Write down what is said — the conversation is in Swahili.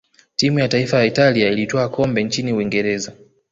timu ya taifa ya italia ilitwaa kombe nchini uingereza